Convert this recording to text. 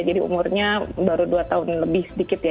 jadi umurnya baru dua tahun lebih sedikit ya